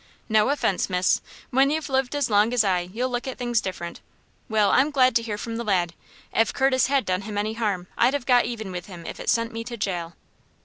"No offense, miss. When you've lived as long as I, you'll look at things different. Well, I'm glad to hear from the lad. If Curtis had done him any harm, I'd have got even with him if it sent me to jail."